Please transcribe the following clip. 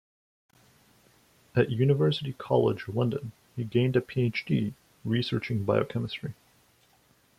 At University College, London, he gained a PhD, researching Biochemistry.